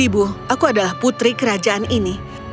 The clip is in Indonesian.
ibu aku adalah putri kerajaan ini